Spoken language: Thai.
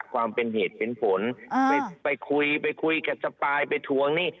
ความเป็นเหตุเป็นผลไปคุยไปคุยกับสปายไปทวงหนี้